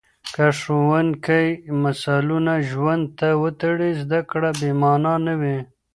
که ښوونکی مثالونه ژوند ته وتړي، زده کړه بې مانا نه وي.